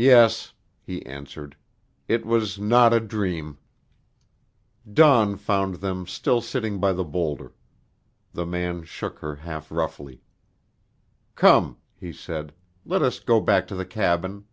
"Yes," he answered, "it was not a dream." Dawn found them still sitting by the boulder. The man shook her half roughly. "Come," he said, "let us go back to the cabin."